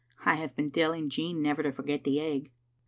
I have been telling Jean never to forget the egg."